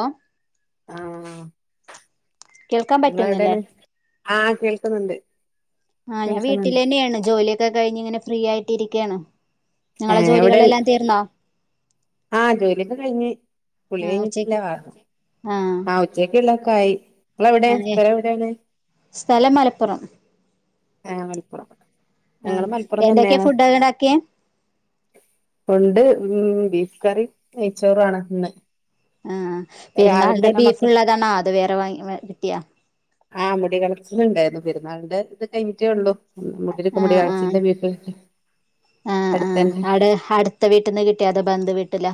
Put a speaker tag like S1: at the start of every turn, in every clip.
S1: ആഹ്
S2: ആഹ്
S1: കേൾക്കാൻ
S2: നിങ്ങളെവിടെ
S1: പറ്റുന്നില്ലേ
S2: ആണ് അഹ് കേൾക്കുന്നുണ്ട്..
S1: അഹ് ഞാൻ
S2: കേൾക്കുന്നുണ്ട്
S1: വീട്ടിലെന്നെണ്. ജോലിയൊക്കെ കഴിഞ്ഞ് ഇങ്ങനെ ഫ്രീ ആയിട്ടിരിക്കണ്.. നിങ്ങളെ
S2: ഏഹ് എവിടെ
S1: ജോലികളെല്ലാം തീർന്നോ
S2: ആഹ് ജോലിയൊക്കെഴിഞ്ഞ്.
S1: ആ
S2: കൂളികഴിഞ്ഞിട്ടില്ല.
S1: ഉച്ചക്ക്
S2: വ.
S1: ആ
S2: ആഹ് ഉച്ചക്ള്ളാക്കായി. ങ്ങ്ളെവിടെ
S1: ആ ഏ
S2: സ്ഥലം എവിടെണ്
S1: സ്ഥലം മലപ്പുറം
S2: ആഹ് മലപ്പുറം
S1: ആ
S2: ഞങ്ങള് മലപ്പുറം
S1: എന്തൊക്കെയാ
S2: തന്നെണ്
S1: ഫുഡൊക്കെ ഉണ്ടാക്കിയെ
S2: ഉണ്ട് മ്മ്ഹ് ബീഫ് കറി നെയ്ച്ചോറാണ് ന്ന്
S1: മ്മ്ഹ് പെരുന്നാൾന്റെ ബീഫ്
S2: മക്കൾ
S1: ള്ളതാണോ അത് വേറെ വാങ്ങി കിട്ടിയ
S2: ആഹ് മുടി കളച്ചില്ണ്ടായിരുന്നു പെരുന്നാളിന്റെ ഇത് കഴിഞ്ഞിട്ടേ ഒള്ളു മുടില്ക്
S1: ആ
S2: മുടി
S1: ആ
S2: കളച്ചിലിന്റെ ബീഫ് അടുത്തന്നെ
S1: ത്തെ വീട്ടിന്ന് കിട്ടിയതാ ബന്ദ് വീട്ടില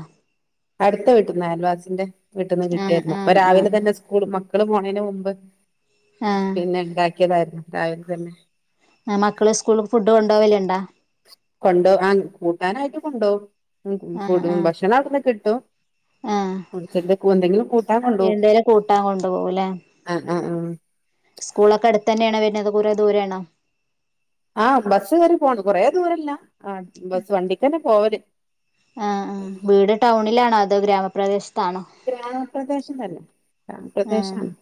S2: അട്ത്ത വീട്ടിന്ന് അയൽവാസിന്റെ വീട്ട്ന്ന്
S1: ആ
S2: കിട്ടിയര്ന്നു
S1: ആ
S2: അപ്പൊ
S1: ആ
S2: രാവിലെ തന്നെ സ്കൂള് മക്കള് പോണേന് മുമ്പ്
S1: ആ
S2: പിന്നെണ്ടാ ക്കിയതായിരുന്നു രാവിലെ തന്നെ
S1: ഏഹ് മക്കള് സ്കൂളില് ഫുഡ് കൊണ്ടോവല്ണ്ടോ
S2: കൊണ്ടോ ആഹ് കൂട്ടാനായിട്ട് കൊണ്ടോവും
S1: ആ
S2: ഫു
S1: ആ
S2: ഭക്ഷണം അവിടുന്ന് കിട്ടും
S1: ആ
S2: കൊറച്ചെന്തേ കു ന്തെങ്കിലും കൂട്ടാൻ കൊണ്ടോവും
S1: എന്തേലും കൂട്ടാൻ കൊണ്ടുപോകും അല്ലേ
S2: ആഹ് ആഹ് ആഹ്
S1: സ്കൂളൊക്കെ അടുത്തെന്നേണോ വരുന്നത് കുറേ ദൂരേണോ
S2: ആഹ് ബസ് കേറി പോണം കൊറേ ദൂരല്ല ആഹ് ബസ് വണ്ടിക്കന്നെ പോവല്
S1: ആഹ് ആഹ്
S2: ഉം
S1: വീട് ടൗണിലാണോ അതോ ഗ്രാമപ്രദേശ
S2: ഗ്രാമപ്രദേശം തന്നെ
S1: ആഹ്
S2: ഗ്രാമപ്രദേശാണ്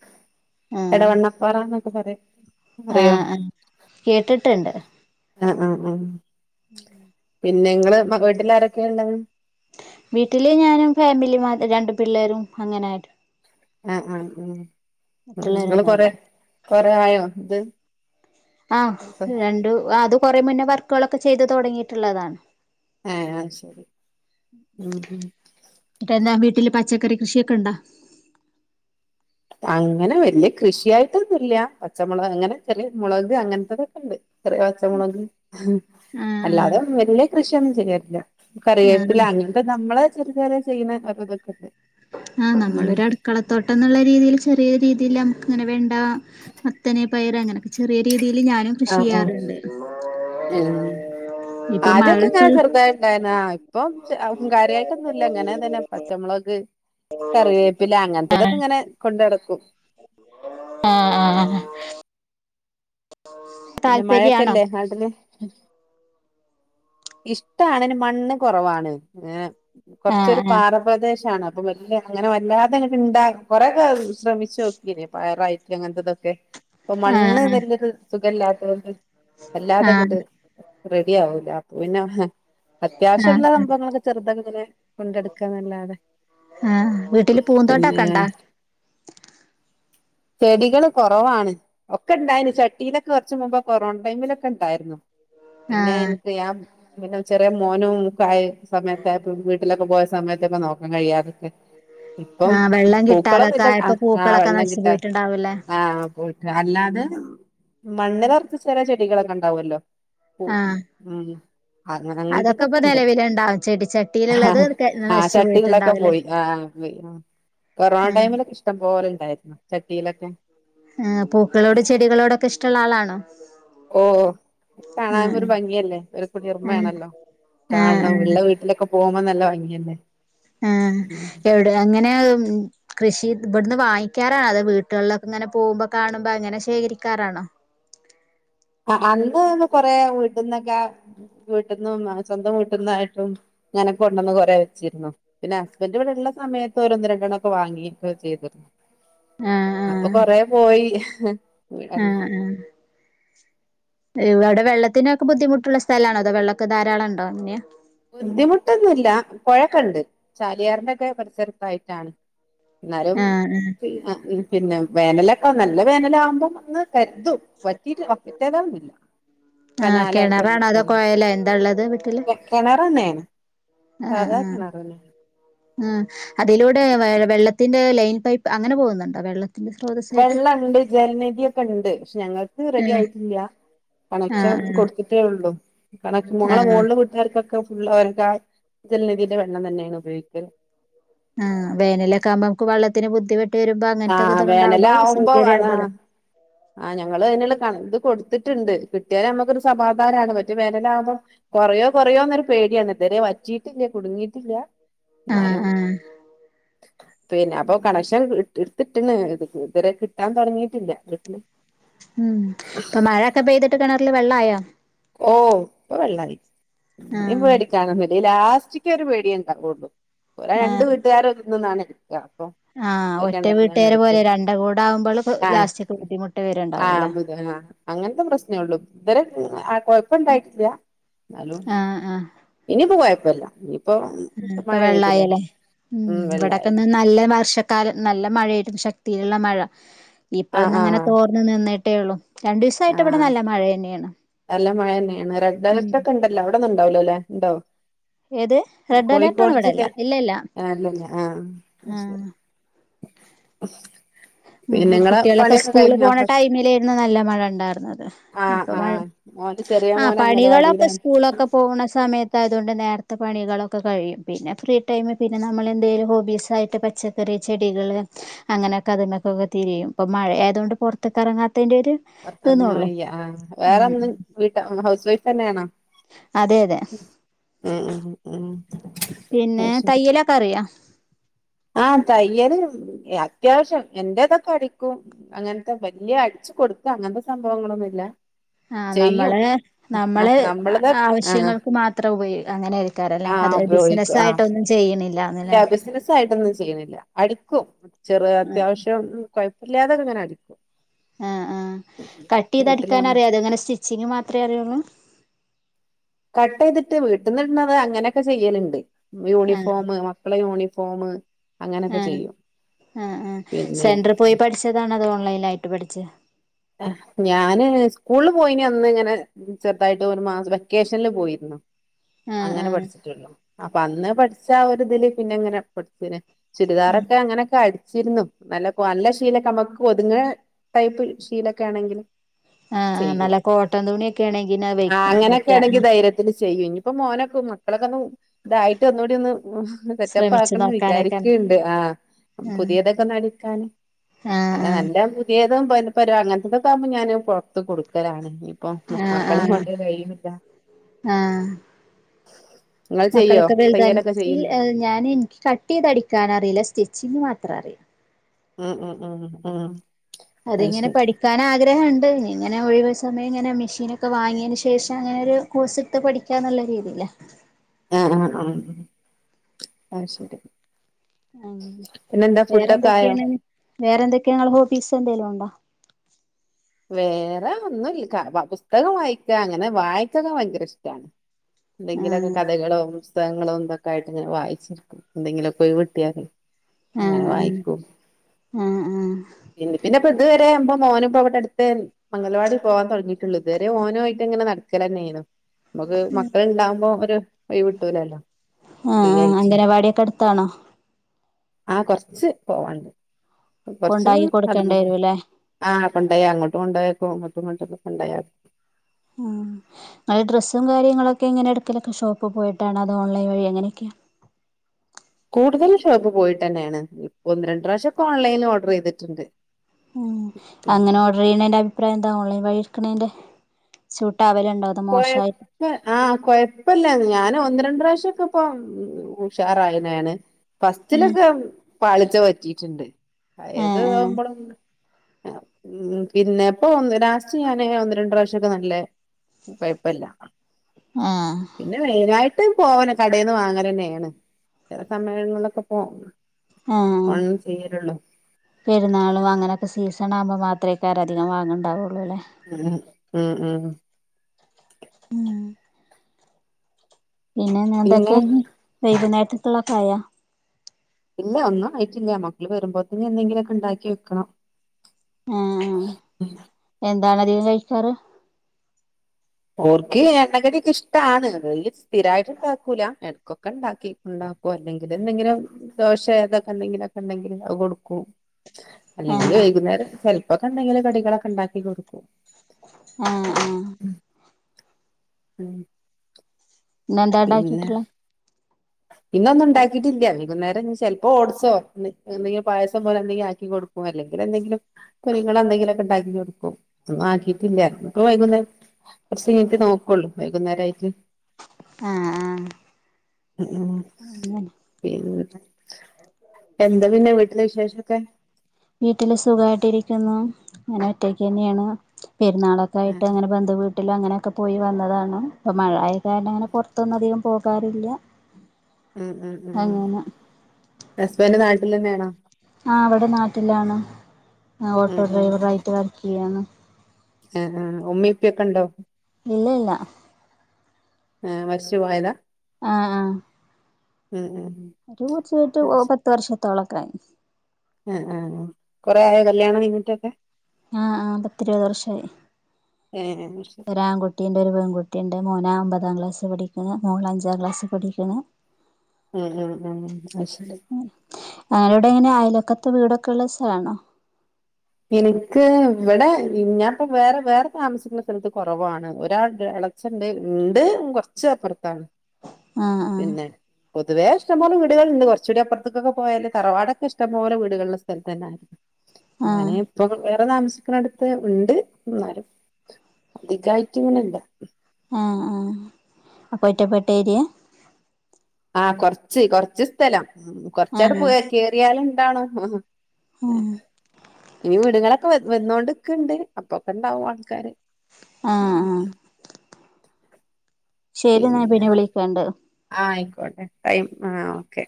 S1: ആഹ്
S2: എടവണ്ണ പ്പറാന്നൊക്കെ പറയും അറിയോ
S1: ആഹ് ആഹ് കേട്ടിട്ട്ണ്ട്
S2: ആഹ് ആഹ് ആഹ്
S1: [inaudible]
S2: പിന്നെ ഇങ്ങള് മ വീട്ട്ലാരൊക്കെണ്ട്
S1: വീട്ടില് ഞാനും ഫാമിലി മാ രണ്ട് പിള്ളേരും അങ്ങനായിട്ട്
S2: ആഹ് ആഹ് ആഹ് ഇങ്ങള്
S1: മറ്റുള്ളവരൊന്നുമല്ല
S2: കൊറേ കൊറേ ആയോ ഇത്
S1: ആഹ് രണ്ടു അത് കൊറേ മുന്നേ വർക്കുകളൊക്കെ ചെയ്തു തൊടങ്ങിയിട്ടുള്ളതാണ്
S2: ഏഹ് ആഹ് ശരി ഉം ഉം
S1: പ്പെന്നാ വീട്ടില് പച്ചക്കറി കൃഷിയൊക്കെ ണ്ടോ
S2: അങ്ങനെ വല്യ കൃഷിയായിട്ടൊന്നുല്ല്യ പച്ചമൊളക് അങ്ങനെ ചെറിയ മൊളക് അങ്ങനത്തെതൊക്കെ ണ്ട് ചെറിയ പച്ചമൊളക് ഹ്
S1: ആഹ് ആഹ്
S2: അല്ലാതെ വല്യ കൃഷിയൊന്നും ചെയ്യാറില്ല
S1: ആഹ്
S2: കറിവേപ്പിലാങ്ങനെ പ്പ നമ്മളെ ചെറിയ ചെറിയ ചെയ്യുന്ന അതുതൊക്കെണ്ട്
S1: ആഹ് നമ്മളൊരു അടുക്കളത്തോട്ടം ന്നുള്ള രീതിയില് ചെറിയ രീതിയില് നമ്മക്ക്ങ്ങനെ വെണ്ട മത്തന് പയറ് അങ്ങനൊക്കെ ചെറിയ രീതിയില് ഞാനും കൃഷി
S2: ആഹ് ആഹ്
S1: ചെയ്യാറ്ണ്ട്
S2: ഏഹ് ആദ്യൊക്കെ
S1: മഴൊക്കെ
S2: ങ്ങനെ ചെറുതായിണ്ടായിന്ന് ആഹ് ഇപ്പം കാര്യായിട്ടൊന്നുല്ല ഇങ്ങനെ തന്നെ പച്ചമൊളക് കറിവേപ്പില അങ്ങനത്തതൊക്കെ ഇങ്ങനെ കൊണ്ട് നടക്കും
S1: ആഹ്
S2: ഉം
S1: ആഹ് [inaudible]
S2: പിന്നെ മഴൊക്കെല്ലേ നാട്ടില് ഇഷ്ട്ടാണ് അയിന് മണ്ണ് കൊറവാണ് ഏഹ് കൊറച്ചൊരു
S1: ആഹ്
S2: പാറ പ്രദേശാണ് അപ്പൊ വല്ല അങ്ങനെ വല്ലാതെങ്ങട്ട് ണ്ടാ കൊറേക്കെ ശ്രമിച്ചു നോക്കിനി പയറായി ട്ടങ്ങനത്തതൊക്കെ പ്പൊ മണ്ണ്
S1: ആഹ്
S2: വല്യൊരു സുഖല്ലാത്തോണ്ട്
S1: ആഹ്
S2: വല്ലാതങ്ങട്ട് റെഡി ആവൂല പിന്നെ അത്യാവശ്യള്ള
S1: ആഹ്
S2: സംഭവങ്ങളൊക്കെ ചെറുതൊക്കെങ്ങനെ കൊണ്ടടക്കാന്നല്ലാതെ
S1: ആഹ് വീട്ടില്
S2: പിന്നെ
S1: പൂന്തോട്ടൊക്കെ ഇണ്ടാ
S2: ചെടികള് കൊറവാണ് ഒക്കെ ണ്ടായിനി ചട്ടിലൊക്കെ കൊർച്ച് മുമ്പേ കൊറോണ ടൈമിലൊക്കെ ണ്ടായിർന്നു. പിന്നെ
S1: ആഹ്
S2: ഇൻക് ഞാം പിന്നെ ചെറിയ മോനും ക്കായി സമയത്തായപ്പം വീട്ടിലൊക്കെ പോയ സമയത്തൊക്കെ നോക്കാൻ കഴിയാറി [unintelligible] ഇപ്പം
S1: ആഹ് വെള്ളം കിട്ടാതൊക്കെ
S2: പൂക്കളൊന്നുല്ല
S1: ആയപ്പോ
S2: ആഹ് ആഹ്
S1: പൂക്കളൊക്കെ
S2: വെള്ളം
S1: നശിച്ചു
S2: കിട്ടാ
S1: പോയിട്ടുണ്ടാവൂല്ലേ
S2: ആഹ് പോയി. അല്ലാതെ മണ്ണിലൊറച്ച ചെലെ ചെടികളൊക്കെണ്ടാവൊല്ലോ പൂ
S1: ആഹ്
S2: ഉം അത്
S1: അതൊക്കെ ഇപ്പൊ
S2: അങ്ങൻത്തെതൊക്കെണ്ട്
S1: നിലവിലുണ്ടാവും ചെടിച്ചട്ടിയിലുള്ളത്
S2: ആഹ് ആഹ്
S1: നശിച്ചു
S2: ചട്ടീള്ളൊക്കെ
S1: പോയിട്ടുണ്ടാവൂലേ
S2: പോയി ആഹ് പോയി ആഹ് കൊറോണ
S1: ആഹ്
S2: ടൈമിലൊക്കിഷ്ടം പോലെ ണ്ടായിരുന്നു ചട്ടീലൊക്കെ.
S1: ആഹ് പൂക്കളോട് ചെടികളോടൊക്കിഷ്ടള്ളാളാണോ? ഉം ഉം
S2: ഗ്യല്ലേ ഒരു കുളിർമ്മേണല്ലോ
S1: ആഹ്
S2: കാണണം ഇള്ള
S1: ആഹ്
S2: വീട്ടിലൊക്കെ പോവുമ്പോ നല്ലെ ഭംഗ്യല്ലേ.
S1: ആഹ് എവ്ടെ എങ്ങനെ അഹ് ഉം കൃഷി ഇബട്ന്ന് വാങ്ങിക്ക്യാറാണോ അതോ വീട്ട്ള്ളൊക്കങ്ങനെ പോവുമ്പോ കാണുമ്പോ അങ്ങനെ ശേഖരിക്കാറാണോ?
S2: ആഹ് ആഹ് അന്ന് ന്ന് കൊറേ വീട്ട്ന്നൊക്ക വീട്ട്ന്നും അങ്ങ സ്വന്തം വീട്ട്ന്നായിട്ടും ഇങ്ങനെ കൊണ്ടന്ന് കൊറേ വെച്ചിര്ന്നു. പിന്നെ ഹസ്ബൻ്റ് ഇവടെള്ള സമയത്ത് ഓരോന്ന് രണ്ടെണ്ണൊക്കെ വാങ്ങി ക്കൊ ചെയ്ത്.
S1: ആഹ്
S2: അപ്പൊ
S1: ആഹ്
S2: കൊറേ പോയി [unintelligible]
S1: ആഹ് ഇവടെ വെള്ളത്തിനൊക്കെ ബുദ്ധിമുട്ട്ള്ള സ്ഥലാണോ അതോ വെള്ളൊക്കെ ധാരാളണ്ടോ എങ്ങെന്യ?
S2: ബുദ്ധിമുട്ടൊന്നുല്ലാ പൊഴൊക്കെണ്ട് ചാലിയാറിന്റെക്കെ പരിസരത്തായിട്ടാണ്. ന്നാലും
S1: ആഹ് ആഹ്
S2: പി അഹ് ഉം പിന്നെ വേനലൊക്ക നല്ല വേനലാവുമ്പം ഒന്ന് കര്തും വറ്റീട്ട് [unintelligible] ന്നുല്ല.
S1: ആഹ് കെണറാണോ അതോ കോയല എന്താ ള്ളത് വീട്ട്ല്?
S2: കെണറെന്നെ സാധാ കെണെറെന്നെ.
S1: ഉം അതിലൂടെ വേഴ വെള്ളത്തിന്റെ ലൈൻ പൈപ്പ് അങ്ങനെ പോവുന്നുണ്ട് വെള്ള
S2: വെള്ളണ്ട് ജലനിധ്യൊക്കെണ്ട് പക്ഷെ ഞങ്ങക്ക്
S1: ആഹ്
S2: റെഡ്യായിട്ടില്ല. കണക്ഷൻ
S1: ആഹ്
S2: കൊട്ത്ത്ട്ടേള്ളൂ കണ ഞങ്ങളെ
S1: ആഹ് ആഹ്
S2: മോളില് ഓർക്കൊക്കെ ഫുള് ഓൽക്കാ ജലനിധിൻ്റെ വെള്ളം തന്നെണ് ഉപയോഗിക്കല്.
S1: ആഹ് വേനലൊക്കാവുമ്പോ അമക്ക് വെള്ളത്തിന് ബുദ്ധിമുട്ട് വെരുമ്പോ അങ്ങൻത്തെ
S2: ആഹ്
S1: ക്കെദെക്കെണ്ടാവുമ്പോ
S2: വേനലാവുമ്പോ അതാ
S1: സൗകര്യവുന്ന [unintelligible] ആ [unintelligible]
S2: ആഹ് ഞങ്ങള് അയ്ന്ള്ള കണ ഇത് കൊട്ത്ത്ട്ട്ണ്ട് കിട്ട്യാല് അമ്മക്കൊര് സമാധാനാണ് മറ്റേ വേനെലാവുമ്പം കൊറയോ കുറയോന്നൊരു പേട്യാണ് ഇതരെ വറ്റീട്ടില്ല കുട്ങ്ങീട്ടില്ല.
S1: ആഹ്
S2: ന്നാലും
S1: ആഹ്
S2: പിന്നെ അപ്പൊ കണക്ഷൻ കിട്ട് ഇട്ത്ത്ട്ട്ണ് ഇത് ഇതരെ കിട്ടാൻ തൊടങ്ങീട്ടില്ലാ വീട്ല്
S1: ഉം ഇപ്പൊ മഴൊക്കെ പെയ്തിട്ട് കെണറില് വെള്ളായൊ?
S2: ഓഹ് ഇപ്പ വെള്ളായി ഇഞ്
S1: ആഹ്
S2: പേടിക്കാനൊന്നുല്ല ലാസ്റ്റിക്കൊരു പേട്യേ ണ്ടാവൊള്ളൂ ഒരാ രണ്ട്
S1: ആഹ്
S2: വീട്ട്കാര് ഒന്ന്ന്ന്ന്നാണ് എട്ക്കാ അപ്പൊ
S1: ആഹ്
S2: ഒരു
S1: ഒറ്റ
S2: കിണറിന്നാണ്
S1: വീട്ടേരെ പോലെ
S2: എടുക്കല്
S1: രണ്ട് കൂടാവുമ്പള് കൊ
S2: ആഹ്
S1: ലാസ്റ്റക് ബുദ്ധിമുട്ട് വരേണ്ടാവും.
S2: ആഹ് ബുദ്ധന് ആഹ് അങ്ങൻത്തെ പ്രശ്നൊള്ളു ഇതരെ ആഹ് കൊയപ്പണ്ടായിട്ടില്ല ന്നാലും
S1: ആഹ് ആഹ്
S2: ഇനിയിപ്പോ കൊയപ്പല്ല [unintelligible]
S1: ഉം ഇപ്പൊ വെള്ളായല്ലേ ഉം ഇവടെക്കെന്ന് നല്ല വർഷ കാലം നല്ല മഴേയിര്ന്നു ശക്തിയില്ള്ള മഴ ഇപ്പൊ
S2: ആഹ്
S1: ഒന്ന്ങ്ങനെ
S2: ആഹ്
S1: തോർന്ന് നിന്ന്ട്ടേ ഒള്ളു. രണ്ടിസായിട്ട് ഇവടെ
S2: ആഹ്
S1: നല്ല മഴന്നേണ്. ഉം
S2: ഇല്ല അവടെന്നുണ്ടാവൂലലേ ഇണ്ടോ?
S1: ഏത് റെഡ് അലേർട്ട് ഒന്നും
S2: കോഴിക്കോട്
S1: ഇവിടെല്ല
S2: ജില്ലെ
S1: ഇല്ല ഇല്ല
S2: ആഹ് അല്ലല്ല ആഹ് അയ്
S1: ആഹ്
S2: ശെരി.
S1: ഉം
S2: നിങ്ങളെ
S1: കുട്ടികളൊക്കെ
S2: പണിയൊക്കെ
S1: സ്കൂള്
S2: കഴിഞ്ഞോ
S1: പോണ
S2: ഭക്ഷ
S1: ടൈമിലേയിരുന്നു നല്ല മഴ ഇണ്ടായിരുന്നത്
S2: ആഹ്
S1: ഇപ്പ മഴ
S2: ആഹ് മോന്റെ ചെറിയ
S1: ആഹ്
S2: മോന്
S1: പണികളൊക്കെ
S2: അംഗനവാടിയിലാണ്
S1: സ്കൂളൊക്കെ പോണ സമയത്തായതുകൊണ്ടെന്നെ നേർത്തെ പണികളൊക്കെ കഴിയും പിന്നെ ഫ്രീ ടൈം പിന്നെ നമ്മള് എന്തേലും ഹോബീസായിട്ട് പ പച്ചക്കറി ചെടികള് അങ്ങനെ കതുമക്കൊക്കെ തിരിയും ഇപ്പോ മഴ ആയതോണ്ട് പൊറത്ത്ക്കെറങ്ങാത്തതിന്റെ ഒര്
S2: പൊർത്തെറങ്ങാൻ വയ്യ ആഹ് വേറെന്ത് വീട്ട് ഹൗസ് വൈഫ് തന്നേണോ
S1: അതെ അതെ
S2: ഉം ഉം ഉം
S1: പിന്നെ
S2: അത് ശരി
S1: [unintelligible]
S2: ആഹ് തയ്യല് അത്യാവിശ്യം എന്റേതൊക്കെ അടിക്കും അങ്ങൻത്തെ വല്ല്യ അടിച്ചു കൊടുക്ക അങ്ങൻത്തെ സംഭവങ്ങളൊന്നുല്ലാ
S1: ആഹ് നമ്മള് നമ്മള്
S2: നമ്മളത് ആഹ്
S1: ആവിശ്യങ്ങൾക്ക് മാത്രം ഉപയൊ അങ്ങനൈക്കാറല്ലേ അത് ബിസിനസ്സായിട്ടൊന്നും ചെയ്യ്ണ്
S2: ല്ല ബിസ്നസായിട്ടൊന്നും ചെയ്യ്ണില്ല അടിക്കും ചെറ്ത്
S1: ഉം
S2: അത്യാവശ്യം കൊയ്പല്ല്യാതെങ്ങനെ അടിക്കും
S1: ആ ആ
S2: വീട്ടില് നമ്മ
S1: കട്ടെയ്തടിക്കാനറിയോ അതൊ ഇങ്ങനെ സ്റ്റിച്ചിങ് മാത്രേ അറിയൊള്ളു
S2: കട്ടെയ്തിട്ട് വെട്ട്ന്ന്ട്ണത് അങ്ങനൊക്കെ ചെയ്യല്ണ്ട്
S1: ആഹ്
S2: യൂണിഫോമ് മക്കളെ യൂണിഫോമ് അങ്ങനെയൊക്കെ
S1: അ
S2: ചെയ്യും
S1: ആ ആ
S2: പിന്നെ
S1: സെന്റ്ർ പോയി പട്ച്ചതാണോ അതൊ ഓൺലൈൻ ആയിട്ട് പഠിച്ചോ
S2: ഞാന് സ്കൂള് പോയിരുന്ന അന്ന് ഇങ്ങനെ ചെർതായിട്ട് ഒരു മാസം വെക്കേഷൻല് പോയിര്ന്നു.
S1: ആഹ്
S2: അങ്ങനെ
S1: ആഹ്
S2: പഠിച്ചിട്ടുണ്ട് അപ്പം അന്ന് പഠിച്ച ആ ഒരു ഇതില് പിന്നെ ഇങ്ങനെ. [unintelligible] ചുരിദാറൊക്കെ അങ്ങനൊക്കെ അടിച്ചിരുന്നു നല്ല ശീല ഒക്കെ നമ്മക്ക് ഒത്ങ്ങ്ണ ടെയ്പ്പ് ശീലൊക്കെ ആണെങ്കില്
S1: ആഹ് ആഹ്
S2: ചെയ്യും
S1: നല്ല കോട്ടൺ തുണിയൊക്കെ ആണെങ്കിൽ അത്
S2: ആ
S1: വെക്കും
S2: അങ്ങനൊക്കെ
S1: മറ്റേ
S2: ആണെങ്കില് ധൈര്യത്തില് ചെയ്യും. ഇപ്പൊ മോനൊക്കൊന്ന് മക്കളൊക്കെ ഇതായിട്ടൊന്നും കൂടി ഒന്ന് സെറ്റപ്പ്
S1: ശ്രമിച്ചു
S2: ആക്കണംന്ന്
S1: നോക്കാനൊക്കെ
S2: വിചാരിക്ക്ണ്ട് ആഹ് പുതിയതൊക്കെ അടിക്കാന്
S1: ആഹ് ആഹ്
S2: ഏത പ്പര അങ്ങൻത്തൊക്കെ ആവുമ്പം ഞാന് പുറത്ത് കൊടുക്കലാണ്. ഇപ്പൊ
S1: ആഹ്
S2: മക്കളെ
S1: ആഹ്
S2: കൊണ്ട് കയ്ണില്ല.
S1: ആഹ് മക്കളൊക്കെ വല്താണ് ഇല്ല ഞാനീ ഇൻക്ക് കട്ട് ചെയ്ത് അടിക്കാനഅറീല സ്റ്റിച്ചിങ്ങ് മാത്രം അറിയും
S2: ഉം ഉം ഉം ഉം അത്
S1: അതിങ്ങനെ
S2: ശരി
S1: പഠി കാന് ആഗ്രഹണ്ട് ഇനി ഇങ്ങനെ ഒഴിവ് സമയം ഇങ്ങനെ മെഷീനൊക്കെ വാങ്ങിയതിന് ശേഷം അങ്ങനെ ഒരു കോഴ്സ് എട്ത്ത് പഠിക്കാന്ള്ള രീതിയില്
S2: ആഹ ആ ആ അത് ശരി.
S1: അ
S2: പിന്നെന്താ ഫുഡൊക്കെ ആയോ
S1: വേറെന്തൊക്കെയേണ് വേറെന്തൊക്കെണ് ഹോബീസ് എന്തെലുണ്ടോ?
S2: വേറെ ഒന്നുല്ല പുസ്തകം വായിക്കാ അങ്ങനെ വായിക്കക്കെ ഭയങ്കര ഇഷ്ടാണ്. എന്തെങ്കിലൊക്കെ
S1: ആഹ്
S2: കഥകളോ പുസ്ത ങ്ങളും ഇതൊക്കെ ആയിട്ട് ഇങ്ങനെ വായിച്ചിരിക്കും എന്തെങ്കിലും ഒക്കെ ഒഴിവ് കിട്ട്യാല്
S1: ആഹ്
S2: അങ്ങനെ
S1: ആഹ്
S2: വായിക്കും.
S1: ആഹ് ആഹ്
S2: പിന്നെ പിന്നെ ഇപ്പൊ ഇതുവരെ ആവുമ്പോ മോനുപ്പ അവടെണ്ട്‌. അഗലവാടിയിൽ പോവാൻ തുടങ്ങയിട്ടുള്ളു ഇതുവരെ ഓന് ആയിട്ട് ഇങ്ങനെ നടക്കലന്നെയ്ന്നു. നമക്ക് മക്കള് ഇണ്ടാവുമ്പോ ഒരു ഒഴിവ് കിട്ടൂലല്ലോ? ഫ്രീ
S1: ആഹ് ആഹ്
S2: ആയിട്ട്
S1: അഗലവാടിയൊക്കെ അടുത്താണോ
S2: ആ കൊറച്ച് പോവാണ്ട് കൊറചൊന്ന്
S1: കൊണ്ടായി കൊടുക്കേണ്ടി
S2: ന്നടന്ന് പോണം
S1: വരൂല്ലേ
S2: ആ കൊണ്ടായ അങ്ങോട്ടു കൊണ്ടോക്കും ഇങ്ങട്ടും അങ്ങോട്ടും കൊണ്ടാ യാക്കും.
S1: ഉം അഹ് ഡ്രസ്സും കാര്യങ്ങളൊക്കെ ഇങ്ങനെ എടകൊക്കെ ഷോപ്പിൽ പോയിട്ടാണോ അതോ ഓൺലൈൻ വഴിഎങ്ങനെ ഒക്കെയാ.
S2: കൂട്തലും ഷോപ്പ് പോയിട്ടന്നേണ് ഇപ്പൊ ഒന്ന് രണ്ട് പ്രാശ്യ ഒക്കെ ഓൺലൈനില് ഓർഡറ് ചെയ്തിട്ടുണ്ട്.
S1: ഉം
S2: പിന്നെ
S1: അങ്ങനെ ഓർഡർ ചെയ്യുന്നതിന്റെ അഭിപ്രായം എന്താ ഓൺലൈൻ വഴി എടുക്കുന്നതിന്റെ സൂട്ടാവലുണ്ടോ?
S2: കോയ. പ്പൊ ആഹ് കൊഴപ്പല്ല അത് ഞാൻ ഒന്ന് രണ്ട് പ്രാവശ്യക്കെ ഇപ്പ ഉഷാറായന്നേണ്.
S1: ഏഹ്
S2: ഫസ്റ്റിലൊക്കെ പാളിച്ച പറ്റിട്ടുണ്ട് അഹ് ഏത്
S1: ഏഹ്
S2: ആവുമ്പളും. ഉം പിന്നെപ്പൊ ഒൻ ലാസ്റ്റ് ഞാന് ഒന്ന് രണ്ട്‌ പ്രാവശ്യക്കെ നല്ലെ. കൊയപ്പല്ല.
S1: [inaudible]
S2: പിന്നെ മെയിനായിട്ട് തോനെ കടേന്ന് വാങ്ങലന്നെആണ് ചെല സമയങ്ങളിലൊക്കെപോ.
S1: ആഹ് പെരുന്നാളും അങ്ങനൊക്കെ സീസനാവുമ്പോ മാത്രയ് കാരം അധികംവാങ്ങണണ്ടാവൊള്ളൂല്ലേ
S2: ഉ ഉം ഉം.
S1: ഉം. പിന്നെന്ന്
S2: പിന്നെ
S1: എന്തൊക്കെ വൈകുന്നേരത്ത്ക്ക്ള്ളൊക്കെ ആയോ
S2: ഇല്ല ഒന്നും ആയിട്ടില്ല. മക്കള് വരുമ്പോത്തിനു എന്തെങ്കിലൊക്കെ ഇണ്ടാക്കി വെക്കണം.
S1: ആഹ് ആഹ്
S2: [unintelligible]
S1: എന്താണ് അധികം കഴിക്കാറ്
S2: ഓൽക്ക് എണ്ണകടിയൊക്കെ ഇഷ്ടാണ് സ്ഥിരായിട്ട് ഇണ്ടാക്കൂല. എടക്കൊക്കെ ഇണ്ടാക്കും. കേക്ക് ഉണ്ടാക്കോ അല്ലെങ്കി പിന്നെ എന്തെങ്കിലും ദോശെ ഇതൊക്കെ എന്തെങ്കിലൊക്കെ ഇണ്ടെങ്കിലി അത് കൊടുക്കും. അല്ലെങ്കില്
S1: ആഹ്
S2: വൈകുന്നേരം ചെൽപ്പൊക്കെ എന്തെങ്കിലും കടികളൊക്കെ ഇണ്ടാക്കി കൊടുക്കും
S1: ആഹ് ആഹ്
S2: ഉം
S1: ഇന്നെന്താ
S2: പിന്നെ
S1: ഉണ്ടാക്കിയിട്ടുള്ളെ [inaudible]
S2: പിന്നെ ഒന്നും ഇണ്ടാക്കീട്ടില്ല. വൈകുന്നേരം ചെൽപ്പോ ഓട്സോ എന്തെങ്കിലു പായസം പോലെ എന്തെങ്കില ആക്കി കൊടുക്കും അല്ലെങ്കിലെ എന്തെങ്കിലും പൊരിക ളൊ എന്തെങ്കിലൊക്കെ ഇണ്ടാക്കി കൊടുക്കും. ഒന്നും ആക്കീട്ടില്ല. ഇപ്പ വൈകുന്നേരം കൊറ്ച്ച് യ്ഞ്ട്ട് നോക്കൊള്ളൂ വൈകുന്നേരായിട്ട്.
S1: ആഹ് ആഹ്
S2: ഉം [unintelligible]
S1: അങ്ങനെ
S2: എന്താ പിന്നെ വീട്ടിലെ വിശേഷൊക്കെ
S1: വീട്ടില് സുഖായിട്ട് ഇരിക്കുന്നു അങ്ങനെ ഒറ്റയ്ക്കെന്നേ ആണ് പെരുന്നാളൊക്കെ ക്കെആയിട്ട് അങ്ങനെ ബന്ധു വീട്ട് ട്ടിലും അങ്ങനെ ഒക്കെ പോയി വന്നതാണ്. ഇപ്പൊ മഴ ആയ കാരണം അങ്ങനെ പൊറത്തൊന്നും അധികം പോകാറില്ല.
S2: ഉം ഉം ഉം
S1: അങ്ങനെ
S2: ഹസ്ബന്റ് നാട്ടിലെന്നെ ആണോ.
S1: ആ ഇവിടെ നാട്ടിലാണ്.
S2: ഉം
S1: ഓട്ടോ ഡ്രൈവറായിട്ട് വർക്ക് ചെയ്യാണ്.
S2: എഹ് എഹ് ആഹ് ഉമ്മി ഇപ്യക്കെ ഇണ്ടൊ
S1: [inaudible]
S2: ഏഹ് മരിച്ച് പോയതാ
S1: ആഹ് ആഹ്
S2: ഉം ഉം ഉം
S1: പ്പ മരിച്ച് പോയിട്ട് പത്ത് വർഷത്തോളക്കായി
S2: ആഹ് ആഹ് കൊറേ ആയൊ കല്യാണം കഴിഞ്ഞിട്ടൊക്കെ
S1: ആഹ് ആഹ് പത്തിരുപത് വർഷായി.
S2: ഏഹ്
S1: ഒരാങ്കുട്ടീണ്ട് ഒരു പെൺകുട്ടീണ്ട് മോനാ ഒമ്പതാം ക്ലാസി പഠിക്കണ്. മോള് അഞ്ചാം ക്ലാസി പഠിക്കണ്.
S2: ഉം ഉം ഉം അത് ശരി
S1: ആരോടെ എങ്ങനെ അയൽവക്കെത്ത് വീടൊക്കെള്ള സ്ഥലാണോ
S2: എനിക്ക് ഇവടെ ഞാ ഇപ്പൊ വേറെ വേറെ താമസിക്കുന്ന സ്ഥലത്ത് കൊറവാണ് ഒരാൾ [unintelligible] ച്ചണ്ട് ഉണ്ട് കൊറച്ച് അപ്പ്റത്താണ്
S1: ആഹ്
S2: പിന്നെ പൊതുവെ ഇഷ്ടം പോലെ വീടുകള് ഇണ്ട്. കൊറച്ചൂടി അപ്പ്റത്തേക്കൊക്കെ പോയാല് തറവാടൊക്കെ ഇഷ്ടം പോലെ വീടുകളുള്ള സ്ഥലത്ത് തന്നാരുന്നു. ഞാന്
S1: ആഹ്
S2: ഇപ്പൊ വേറെ താമസിക്ക്ണട്ത്ത് ഉണ്ട് എന്നാലും അധികായിട്ട് ഇങ്ങനില്ല.
S1: ആഹ് ആഹ് അപ്പൊ ഒറ്റപ്പെട്ട ഏര്യാ
S2: ആഹ് കൊറച്ച് കൊറച്ച് സ്ഥലം ഉം കൊറച്ചാട്
S1: ആഹ്
S2: പോയാ കയറിയാല് എന്താണ്.
S1: ആഹ്
S2: ഇനി വീടുകളൊക്കെ വന്നോണ്ട് ഇക്ക്ണ്ട്. അപ്പൊക്കെ ഇണ്ടാവും ആൾക്കാര്.
S1: ആഹ്
S2: ഉം
S1: ആഹ് ശരി ഇന്നാ ഞാൻ പിന്നെ വിളിക്കേണ്ട്
S2: ആയിക്കോട്ടെ ടൈം ആഹ് ഓക്കെ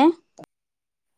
S1: ഏഹ്